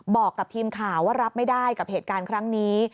บอกกับทีมข่าวว่ารับไม่ได้กับเหตุการณ์ครั้งนี้